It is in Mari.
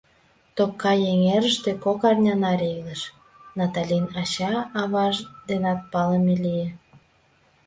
Топкайэҥерыште кок арня наре илыш, Наталин ача-аваж денат палыме лие.